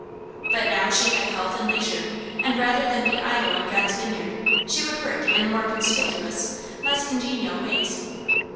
But now she had health and leisure, and rather than be idle in God's vineyard she would work in more conspicuous, less congenial ways.